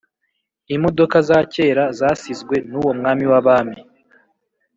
imodoka za kera zasizwe n'uwo mwami w'abami